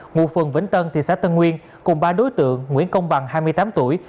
ngụ phường vĩnh tân thị xã tân nguyên cùng ba đối tượng nguyễn công bằng hai mươi tám tuổi